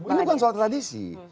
ini bukan soal tradisi